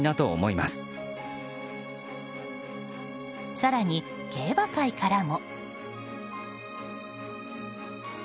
更に、競馬界からも。